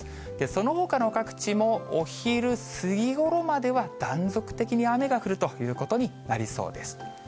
そのほかの各地も、お昼過ぎごろまでは断続的に雨が降るということになりそうです。